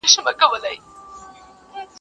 پاچاهان یې هم خوري غوښي د خپلوانو.